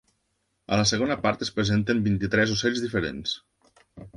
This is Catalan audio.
A la segona part es presenten vint-i-tres ocells diferents.